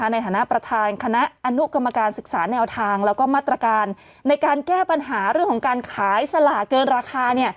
ในฐานะประธานคณะอนุกรรมการศึกษาแนวทางแล้วก็มาตรการในการแก้ปัญหาเรื่องของการขายสลากเกินราคา